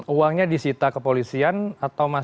uangnya disita kepolisian atau masih